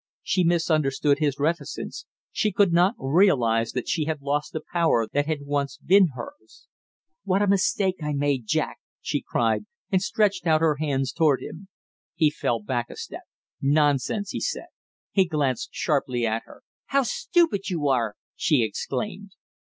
She misunderstood his reticence, she could not realize that she had lost the power that had once been hers. "What a mistake I made, Jack!" she cried, and stretched out her hands toward him. He fell back a step. "Nonsense!" he said. He glanced sharply at her. "How stupid you are!" she exclaimed.